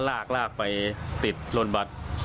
แล้วก็ลากไปปิดรถบัด